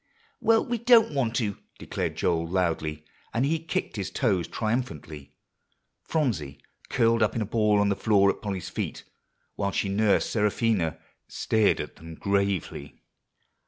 "Well, we don't want to," declared Joel loudly, and he kicked his toes triumphantly. Phronsie, curled up in a ball on the floor at Polly's feet, while she nursed Seraphina, stared at them gravely.